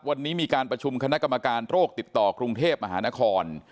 วันนี้มีการประชุมคณะกรรมการโรคติดต่อกรุงเทพมหานคร